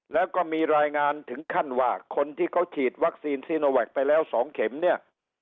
แล้วก็มีรายงานถึงขั้นว่าคนที่เขาฉีดวัคซีนซีโนแวคไปแล้ว๒เข็มเนี่ย